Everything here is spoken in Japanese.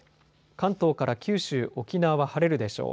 関東から九州、沖縄は晴れるでしょう。